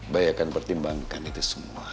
baik akan pertimbangkan itu semua